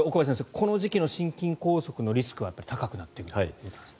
この時期の心筋梗塞のリスクは高くなってくるということなんですね。